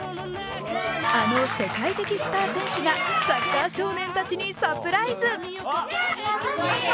あの世界的スター選手がサッカー少年たちにサプライズ。